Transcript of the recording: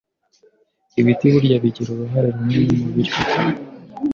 ibiti burya bigira uruhare rinini muribyo